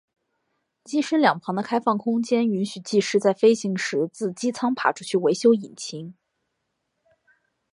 机身两旁的开放空间允许技师在飞行时自机舱爬出去维修引擎。